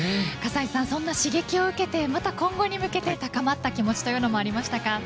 葛西さん、そんな刺激を受けてまた今後に向けて高まった気持ちというのもありましたか？